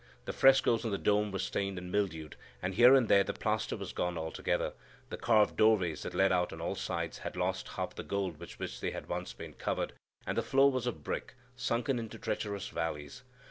The frescoes on the dome were stained and mildewed, and here and there the plaster was gone altogether; the carved doorways that led out on all sides had lost half the gold with which they had once been covered, and the floor was of brick, sunken into treacherous valleys.